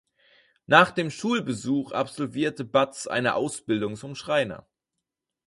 Nach dem Schulbesuch absolvierte Batz eine Ausbildung zum Schreiner.